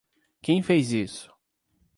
Quem fez isso?